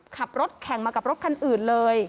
ขับรถแข่งมากับรถคันอื่นเลย